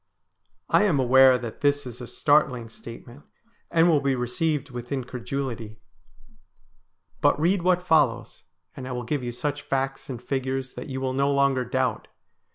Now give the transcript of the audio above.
I am aware that this is a startling statement, and will be received with incredulity ; but 272 STORIES WEIRD AND WONDERIUL read what follows, and I will give you such facts and figures that you will no longer doubt.